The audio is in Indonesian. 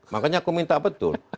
makanya aku minta betul